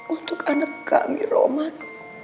untuk anak kami roman